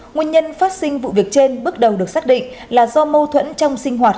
nguyên nhân phát sinh vụ việc trên bước đầu được xác định là do mâu thuẫn trong sinh hoạt